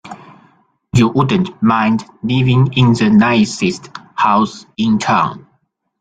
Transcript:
You wouldn't mind living in the nicest house in town.